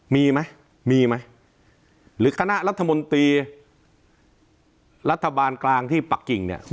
มีไหมมีไหมหรือคณะรัฐมนตรีรัฐบาลกลางที่ปักกิ่งเนี่ย